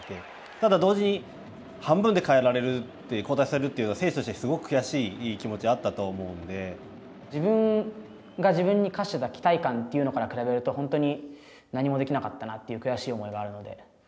ただ、同時に半分で代えられるって交代させられるというのは選手としてはすごく悔しい気持ちはあっ自分が自分に課してた期待感というのから比べると本当に何もできなかったなという悔しい思いがあるので。